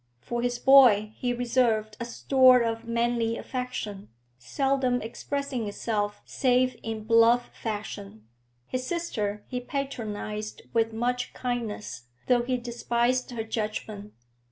For his boy he reserved a store of manly affection, seldom expressing itself save in bluff fashion; his sister he patronised with much kindness, though he despised her judgment.